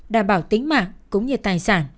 đảm bảo tính mạng cũng như tài sản